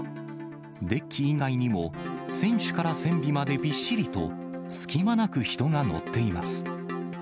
デッキ以外にも、船首から船尾までびっしりと、隙間なく人が乗っています。